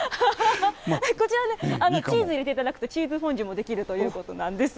こちら、チーズ入れていただくと、チーズフォンデュもできるということなんです。